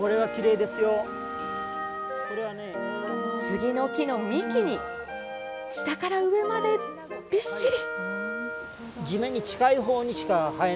杉の木の幹に、下から上までびっしり。